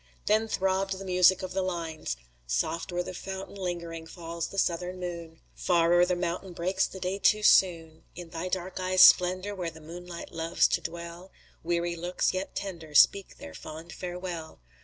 Then throbbed the music of the lines: Soft o'er the fountain lingering falls the Southern moon Far o'er the mountain breaks the day too soon. In thy dark eyes' splendor, where the moonlight loves to dwell Weary looks, yet tender, speak their fond farewell.